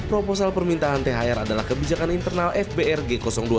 proposal permintaan thr adalah kebijakan internal fbr g dua puluh